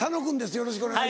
よろしくお願いします。